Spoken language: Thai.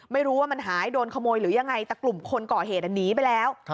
ไม่รู้ว่ามันหายโดนขโมยหรือยังไงแต่กลุ่มคนก่อเหตุหนีไปแล้ว